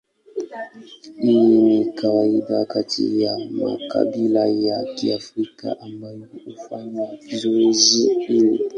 Hii ni kawaida kati ya makabila ya Kiafrika ambayo hufanya zoezi hili.